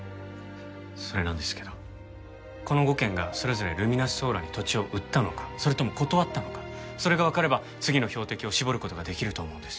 それなんですけどこの５軒がそれぞれルミナスソーラーに土地を売ったのかそれとも断ったのかそれがわかれば次の標的を絞る事ができると思うんです。